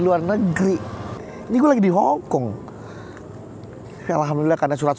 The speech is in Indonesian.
bang bedu pamit ya